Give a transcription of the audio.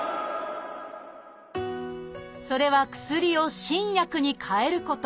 それは薬を新薬に替えること。